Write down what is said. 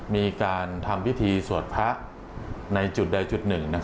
มีการทำพิธีสวดพระในจุดใดจุดหนึ่ง